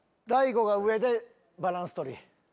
大悟が上でバランス取りＯＫ。